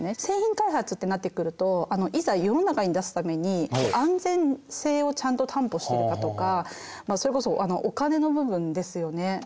製品開発ってなってくるといざ世の中に出すために安全性をちゃんと担保してるかとかそれこそお金の部分ですよね。